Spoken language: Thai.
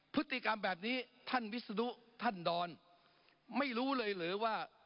พฤติกรรมแบบนี้ท่านวิศนุท่านดอนไม่รู้เลยหรือว่า